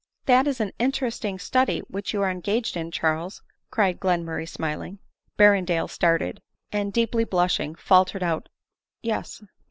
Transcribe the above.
" That is an interesting study which you are engaged in, Charles," cried Glenmurray smiling. Berrendale started ; and, deeply blushing, faltered out, " Yes."